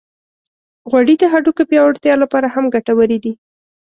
غوړې د هډوکو پیاوړتیا لپاره هم ګټورې دي.